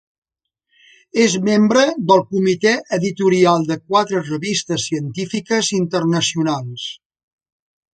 És membre del comitè editorial de quatre revistes científiques internacionals.